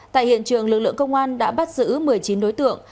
tại hiện trường lực lượng công an đã bắt giữ một mươi chín đối tượng